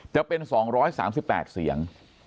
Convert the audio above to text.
จะเป็น๒๓๘เสียง